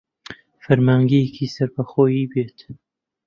فەرمانگەیەکی سەر بە خۆی بێت